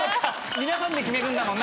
皆さんで決めるんだもん